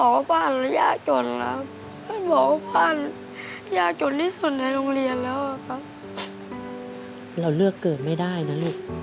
ก็ออกไปช่วยแม่อย่างเดียวครับ